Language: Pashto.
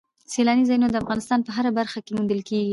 سیلانی ځایونه د افغانستان په هره برخه کې موندل کېږي.